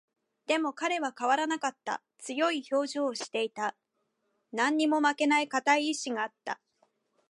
でも、彼は変わらなかった。強い表情をしていた。何にも負けない固い意志があった。